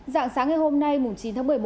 dạng sáng ngày hôm nay chín tháng một mươi một